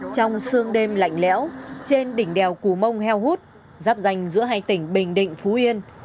trong sương đêm lạnh lẽo trên đỉnh đèo cù mông heo hút giáp danh giữa hai tỉnh bình định phú yên